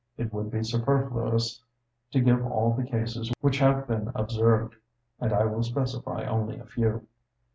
It would be superfluous to give all the cases which have been observed; and I will specify only a few.